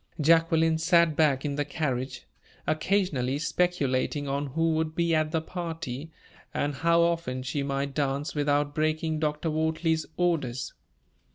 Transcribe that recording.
Jacqueline sat back in the carriage, occasionally speculating on who would be at the party, and how often she might dance without breaking Dr. Wortley's orders.